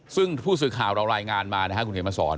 ซึ่งผู้สื่อข่าวเรารายงานมานะครับคุณเขียนมาสอน